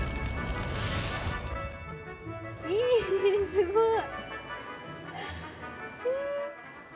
すごーい。